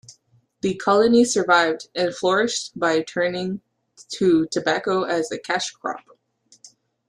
The colony survived and flourished by turning to tobacco as a cash crop.